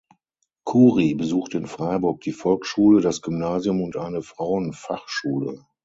Kuri besuchte in Freiburg die Volksschule, das Gymnasium und eine Frauenfachschule.